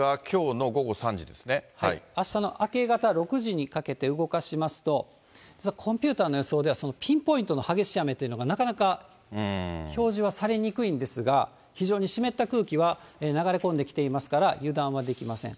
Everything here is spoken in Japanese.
あしたの明け方６時にかけて動かしますと、コンピューターの予想では、そのピンポイントの激しい雨というのがなかなか表示はされにくいんですが、非常に湿った空気は流れ込んできていますから、油断はできません。